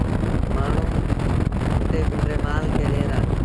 مآڻهوٚݩ پٽي پنڊري مآل کي ڏيݩ دآ۔